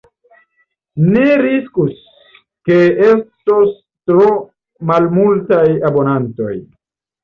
Ni riskus ke estos tro malmultaj abonantoj.